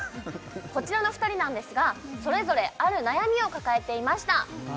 こちらの２人なんですがそれぞれある悩みを抱えていました